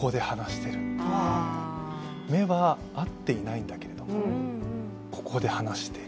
目は合っていないんだけれども、ここで話してる。